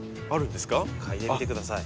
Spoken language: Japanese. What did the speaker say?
嗅いでみてください。